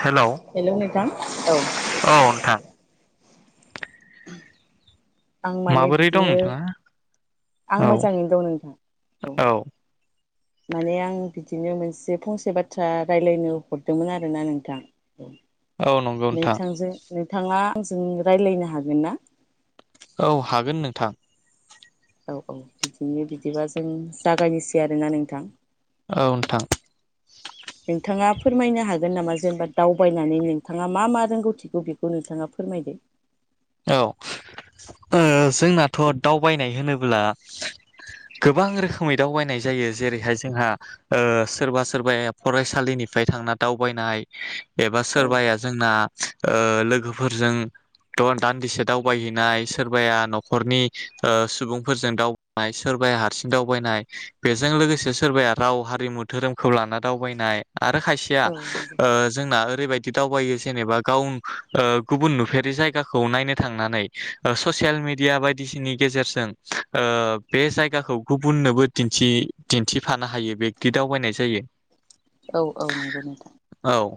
Hello नोंथां औ औ नोंथां। आं माने माबोरै दं बिदिनो नोंथाङा आं औ मोजाङैनो दं नोंथां औ। माने आं बिदिनो मोनसे फंसे बाथ्रा रायलायनो हरदोंमोन आरोना नोंथां। औ नंगौ नोंथां नोंथांजों नोंथाङा। आंजों रायज्लायनो हागोन ना? औ हागोन नोंथां। औ औ बिदिनो बिदिबा जों जागायनोसै आरोना नोंथां। औ नोंथां नोंथाङा फोरमायनो हागोन गोन नामा जेनेबा दावबायनानै नोंथाङा मा मा रोंगौथिखौ बेखौ नोंथाङा फोरमायदो? औ ओ जोंनाथ' दावबायनाय होनोब्ला गोबां रोखोमै दावबायनाय जायो जेरैहाय जोंहा सोरबा सोरबाया फरायसालिनिफ्राय थांना दावबायनाय एबा औ सोरबाया जोंना ओ लोगोफोरजों दान्दिसे दावबायहैनाय सोरबाया न'खरनि सुबुंफोरजों दावबायनाय सोरबाया हारसिं दावबायनाय बेजों लोगोसे सोरबाया राव हारिमु धोरोमखौ लाना दावबायनाय आरो खायसेया औ नंगौ ओ जोंना ओरैबायदि दावबायो जेनेबा गाव गुबुन ओ नुफेरै जायगा जायगाखौ नायनो थांनानै ससियेल मिडिया बायदिसिनि गेजेरजों ओ बे जायगाखौ गुबुननोबो दिन्थि दिन्थिफानो हायो बेक्ति दावबायनाय जायो। औ औ नंगौ नोंथां। औ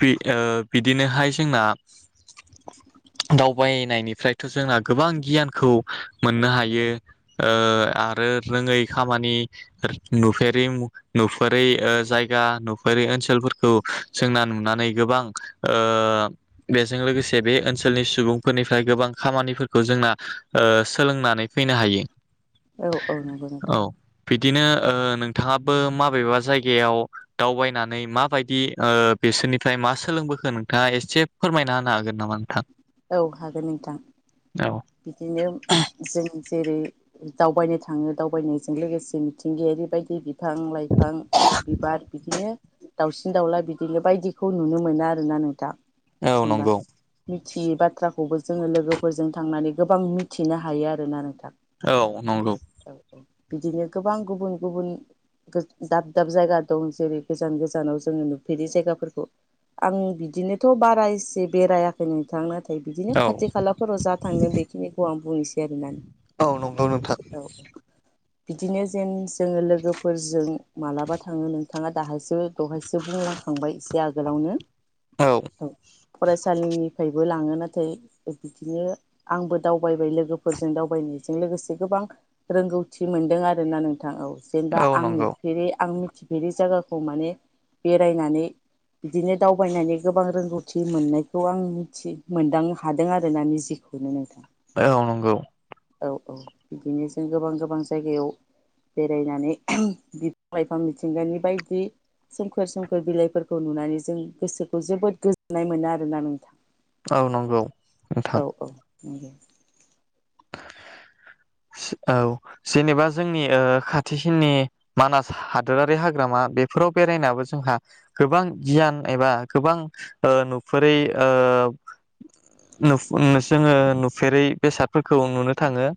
बि ओ बिदिनोहाय जोंना दावबायनायनिफ्रायथ' जोंना गोबां गियानखौ मोननो हायो ओ आरो रोङै खामानि नुफेरै नुफेरै ओ जायगा नुफेरै ओनसोलफोरखौ जोंना नुनानै गोबां ओ बेजों लोगोसे बे ओनसोलनि सुबुंफोरनिफ्राय गोबां खामानिफोरखौ जोंना ओ सोलोंनानै फैनो हायो । औ औ नोंगौ नोंथां । बिदिनो ओ नोंथाङाबो माबेबा जायगायाव दावबायनानै माबायदि ओ बेसोरनि फ्राय मा सोलोंबोखो नोंथाङा एसे फोरमायना होनो हागोन नामा नोंथां? औ हागोन नोंथां औ बिदिनो जों जेरै दावबायनो थाङो दावबायनायजों लोगोसे मिथिंगायारि बायदि बिफां लाइफां बिबार बिदिनो दाउसिन दाउला बिदिनो बायदिखौ नुनो मोनो आरोना नोंथा । औ नंगौ । थि बाथ्राखौबो जोङो लोगोफोरजों थांनानै गोबां मिथिनो हायो आरोना नोंथां । औ नंगौ । बिदिनो गोबां गुबुन गुबुन दाब दाब जायगा दं जेरै गोजान गोजानाव जोङो नुफेरि जायगाफोरखौ आं बिदिनोथ' बारा एसे बेरायाखैनो थां नाथाय बिदिनो खाथि औ खालाफोराव जा थांदों बेखिनिखौ आं बुंनोसै आरोना। औ नोंगौ नोंथां औ । बिदिनो जेन जोङो लोगोफोरजों मालाबा थाङो नोंथाङा दाहायसो दहायसो बुंलांखांबाय एसे आगोलावनो फरायसालिनि बो लाङो नाथाय बिदिनो आंबो दावबायबाय लोगोफोरजों दावबायनायजों लोगोसे गोबां रोंगौथि मोनदों आरोना नों थां औ जेनेबा आं नुफेरै आं थिफेरि जायगाखौ माने बेरायनानै बिदिनो दावबायनानै गोबां रोंगौथि मोननायखौ आं थि मोनदांनो हादों आरोना निजिखौनो नोंथां औ नंगौ औ औ बिदिनो जों गोबां गोबां जायगायाव बेरायनानै बिफां लाइफां मिथिंगानि बायदि सोमखोर सोमखोर बिलाइफोरखौ नुनानै जों गोसोखौ जोबोद गोजोननाय मोनो आरोना नोंथां औ नंगौ नोंथां उम औ जेनेबा जोंनि ओ खाथिसिननि मानास हादोरारि हाग्रामा बेफोराव बेरायनाबो जोंहा गोबां गियान एबा गोबां ओ नुफेरै जोङो नुफेरै बेसादफोरखौ नुनो थाङो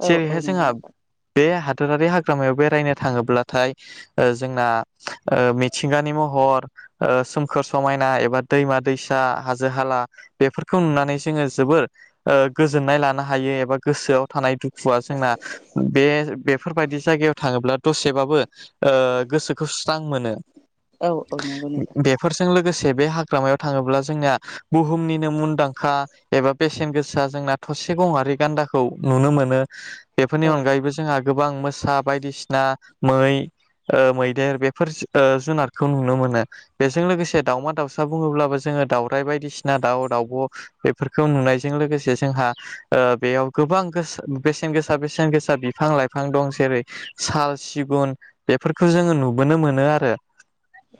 औ औ जेरैहाय नंगौ जोंहा नोंथां बे हा दरारि हाग्रामायाव बेरायनो थाङोब्लाथाय ओ जोंना ओ मिथिगानि महर ओ सोमखोर समायना एबा दैमा दैसा हाजो हाला बेफोरखौ नुनानै जोङो जोबोर ओ गोजोननाय लानो हायो एबा गोसोआव थानाय दु खुवा जोंना बे बेफोरबायदि जायगायाव थाङोब्ला दसेबाबो ओ गोसोखौ स्रां मोनो औ औ नंगौ नोंथां बेफोरजों लोगोसे बे हाग्रामायाव थाङोब्ला जोंनिया बुहुमनिनो मुंदांखा एबा बेसेन गोसा जोंना थसे गंआरि गान्दाखौ नुनो मोनो [unintelligible] बेफोरनि औ अनगायैबो जोंहा गोबां मोसा बायदिसिना मै मैदेर ओ बेफोर ओ जुनारखौ नुनो मोनो बेजों लोगोसे दाावमा दाउसा बुङोब्लाबो जोङो दाउराइ बायदिसिना दाउ दाउब' बेफोरखौ नुनायजों लोगोसे जोंहा बेयाव गोबां गोसो बेसेन गोसा बेसेन गोसा बिफां लाइफां दं जेरै साल सिगुन बेफोरखौ जोङो नुबोनो मोनो आरो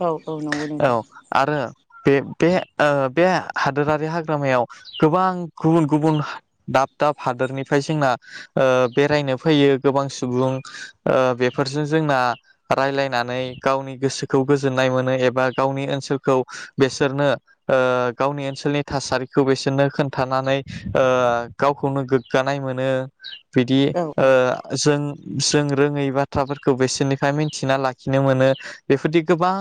औ औ नंगौ नोंथां औ आरो बे बे ओ बे हादोरारि हाग्रामायाव गोबां गुबुन गुबुन दाब दाब हादोरनिफ्राय जोंना ओ बेरायनो फैयो गोबां सुबुं ओ बेफोरजों जोंना राय्लायनानै गावनि गोसोखौ गोजोननाय मोनो एबा गावनि ओनसोलखौ बेसोरनो ओ गावनि ओनसोलनि थासारिखौ बिसोरनो खोन्थानानै ओ गावखौनो गोग्गानाय मोनो बिदि औ ओ जों जों रोङै बाथ्राफोरखौ बिसोरनिफ्राय मिथिना लाखिनो मोनो बेफोरदि गोबां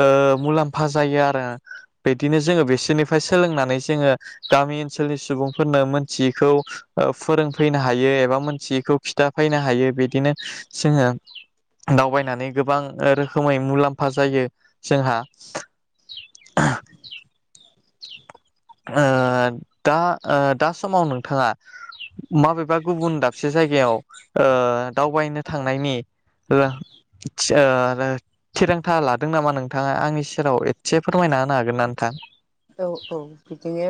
ओ मुलाम्फा जायो आरो बिदिनो जोङो बिसोरनिफ्राय सोलोंनानै जोङो गामि ओनसोलनि सुबुंफोरनो मोनथियैखौ फोरों फैनो हायो एबा मोनसेखौ फिथा फैनो हायो बिदिनो जोङो दावबायनानै गोबां रोखोमै मुलाम्फा जायो जोंहा ओ दा ओ दा समाव नोंथाङा माबेबा गुबुन दाबसे जायगायाव ओ दावबायनो थांनायनि ओ थिरांथा लादों नामा नोंथाङा आंनि सेराव एसे फोरमायना होनो हागोन ना नोंथां औ औ बिदिनो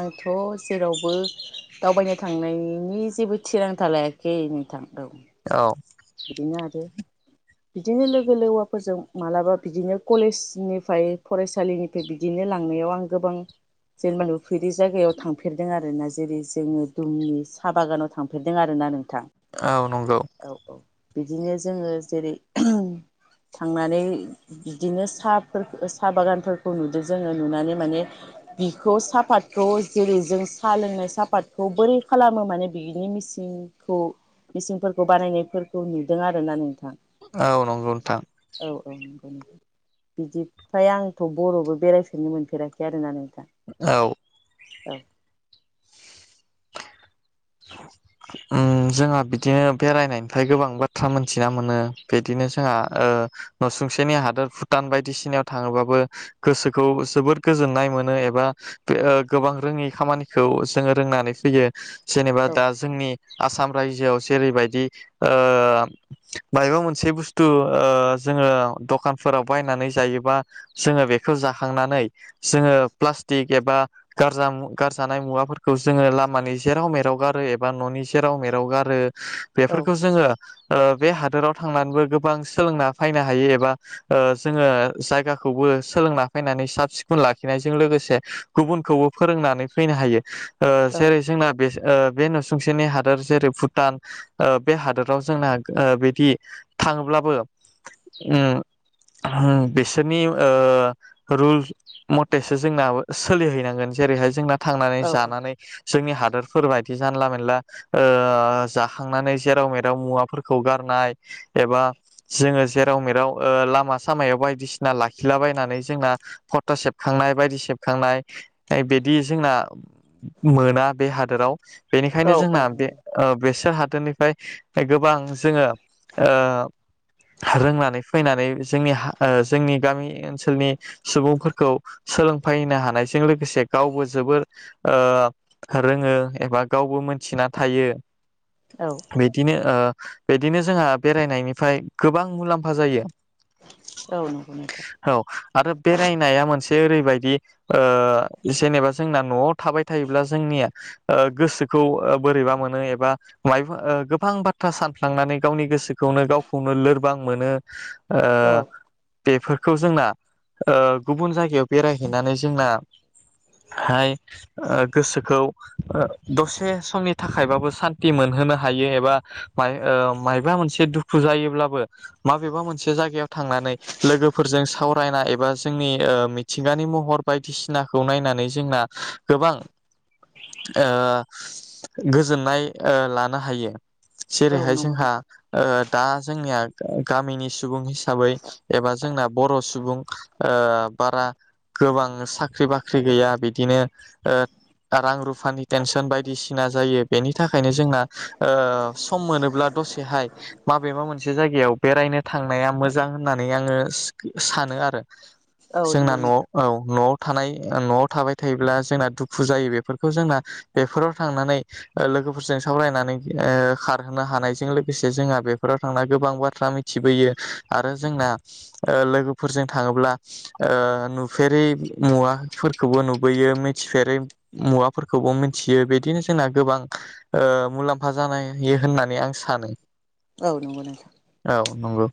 आंथ' जेरावबो दावबायनो थांनायनि जेबो थिरांथा लायाखै नोंथां औ औ बिदिनो आरो बिदिनो लोगो लोगोवाफोरजों मालाबा बिदिनो कलेजनिफ्राय फरायसालिनिफ्राय बिदिनो लांनायाव आं गोबां जेनेबानि नुफेरि जायगायाव थांफेरदों आरोना जेरै जोङो दुमनि साहा बागानाव थांफेरदों आरोना नों औ नंगौ बिदिनो जोङो जेरै थांनानै बिदिनो साहाफोरखौ साहा बागानफोरखौ नुदों जोङो नुनानै माने बिखौ साहापातखौ जेरै जों साहा लोंनाय साफाादखौ बोरै खालामो माने बिनि मसिंखौ मिसिंफोरखौ बानायनाय फोरखौ नुदों आरोना नों औ नंगौ नोंथां बिदिफ्राय आंथ' बर'बो बेरायफेरनो मोनफेराखै आरोना नोंथां औ औ ओम जोंहा बिदिनो बेरायनायनिफ्राय गोबां बाथ्रा मोनथिना मोनो बिदिनो जोंहा ओ नसुंसेनि हादोर भुटान बायदिसिनायाव थाङोबाबो गोसोखौ जोबोद गोजोननाय मोनो एबा बे ओ गोबां रोङै खामानिखौ जोङो रोंनानै फैयो जेनेबा औ दा जोंनि आसाम रायजोआव जेरैबायदि मायबा मोनसे बुस्थु जोङो दखानफोराव बायनानै जायोबा जोङो बेखौ जाखांनानै जोङो प्लास्टिक एबा गजा गारजानाय मुवाफोरखौ जोङो लामानि । सेराव मेराव गारो एबा न'नि सेराव मेराव गारो औ बेफोरखौ जोङो बे हादोराव थांनानैबो गोबां सोलोंना फैनो हायो एबा जोङो जायगाखौबो सोलोंना फैनानै साब सिखोन लाखिनायजों लोगोसे गुबुनखौबो फोरोंनानै फैनो हायो औ सेरै जोंना बे नसुंसेनि हादोर जेरै भुटान बे हादोराव जोंना बिदि थाङोब्लाबो बिसोरनि रुल मथेसो जोंना सोलिहैनांगोन जेरैहाय जोंना थांनानै औ जानानै जोंनि हादर फोरबायायदि जानला मोनला जाखांनानै जेराव मेराव मुवाफोरखौ गारनाय एबा जोङो जेराव मेराव लामा सामायाव बायदिसिना लाखिलाबायनानै जोंना फथा सेबखांनाय बायदि सेबखांनाय बिदि जोंना मोना बे हाद हादोराव औ बेनिखायनो औ जोंना बे नंगौ बेसोर हादोरनिफ्राय गोबां जोङो रोंनानै फैनानै जोंनि जोंनि गामि ओनसोलनि सुबुंफोरखौ सोलोंफैनो हानायजों लोगोसे गावबो जोबोर रोङो एबा गावबो मोनथिना थायो औ बिदिनो ओ बिदिनो जोंहा बेरायनायनिफ्राय गोबां मुलाम्फा जायो औ नंगौ नोंथां औ आरो बेरायनाया मोनसे एसे ओरैबायदि जेनेबा जोंना न'आव थाबाय थायोब्ला जोंनिया गोसोखौ बोरैबा मोनो एबा माइफ गोबां बाथ्रा सानफ्लांनानै गावनि गोसोखौनो गावखौनो लोरबां मोनो ओ औ बेफोरखौ जोंना गुबुन जायगायाव बेरायहैनानै जोंना हाय गोसोखौ दसे समनि थाखायबाबो सान्थि मोनहोनो हायो एबा मबा मोनसे दुखु जायोब्लाबो माबेबा मोनसे जायगायाव थांनानै लोगोफोरजों सावरायना एबा जोंनि मिथिंगानि महर बायदिसिनाखौ नायनानै जोंना गोबां ओ गोजोननाय ओ लानो हायो औ जेरैहाय नंगौ जोंहा नोंथां दा जोंनिया गामिनिस सुबुं हिसाबै एबा जोंना बर' सुबुं सुबुं बारा गोबां साख्रि बाख्रि गैया बिदि बिदिनो रां रुपा सुफानि टेनसन बायदिसिना जायो बेनि थाखायनो जोंना सम मोनोब्ला दसेहाय माबे मा मोनसे जायगायाव बेरायनो थांनाया मोजां होननानै आङो सानो आरो औ जोंना नंगौ न'आव नोंथां औ न'आव थानाय जोंना बेफोराव थांनानै लोगोफोरजों सावरायनानै खारहोनो हानायजों लोगोसे जोंहा बेफोराव थांना गोबां बाथ्रा मिथिबोयो आरो जोंना लोगोफोरजों थाङोब्ला नुफेरै मुवाफोरखौबो नुबोयो मिथिफेरै मुवा फोरखौबो मिथियो बिदिनो जोंना गोबां मुलाम्फा जानाययो होननानै आं सानो औ नंगौ नंगौ नांगौ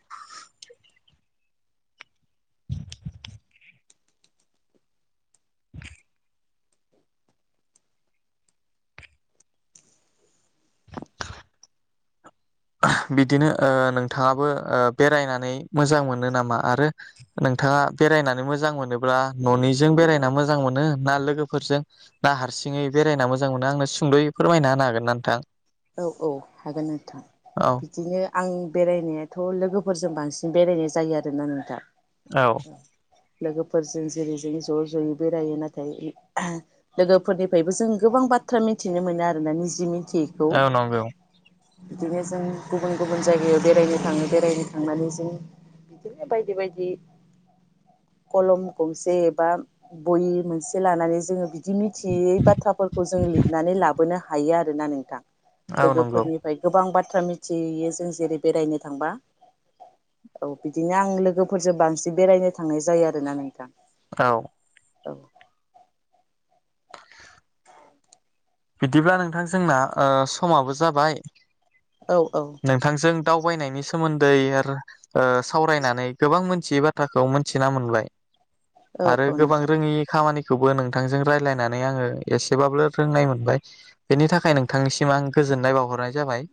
बिदिनो ओ नोंथाङाबो ओ बेरायनानै मोजां मोनो नामा आरो नोंथाङा बेरायनानै मोजां मोनोब्ला न'निजों बेरायना मोजां मोनो ना लोगोफोरजों ना हारसिङै बेरायना मोजां मोनो आंनो सुंद'यै फोरमायना होनो हागोन ना नोंथां औ औ हागोन नोंथां औ बिदिनो आं बेरायनायाथ' लोगोफोरजों बांसिन बेरायनाय जायो आरोना नोंथां औ लोगोफोरजों जेरै जों ज' ज'यै बेरायो नाथाय लोगोफोरनिफ्रायबो जों गोबां बाथ्रा मिथिनो मोनो आरोना निजि मिथियि औ नंगौ बिदिनो जों गुबुन गुबुन जायगायाव बेरायनो थाङो बेरायनो थांनानै जों बिदिनो बायदि बायदि कलम गंसे एबा बयि मोनसे लानानै जोङो बिदि मिथियै बाथ्राफोरखौ जों लिरनानै लाबोनो हायो आरोना नोंथां औ नंगौ लोगोफोरनिफ्राय गोबां बाथ थ्रा मिथियो जों जेरै बेरायनो थांबा औ बिदिनो आं लोगोफोरजों बांसिन बेरायनो थांनाय जायो आरोना नोंथां औ औ बिदिब्ला नोंथां जोंना ओ समाबो जाबाय औ औ नोंथांजों दावबायनायनि सोमोन्दै आरो ओ सावरायनानै गोबां मोनथियै बाथ्राखौ मोनथिना मोनबाय औ आरो औ गोबां नोंथां रोङि खामानि खौबो नोंथांजों रायलायनानै आङो एसेबाबो रोंनाय मोन बाय बेनि थाखाय नोंथांनिसिम आं गोजोननाय बावहरनाय जाबाय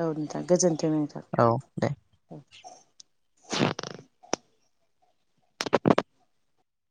औ नोंथां गोजोन्थों नोंथां औ दे औ